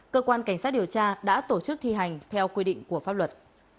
cơ quan cảnh sát điều tra đã tổ chức thi hành theo quy định của pháp luật